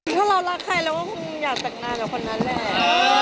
ถ้าเรารักใครเราก็คงอยากแต่งงานกับคนนั้นแหละ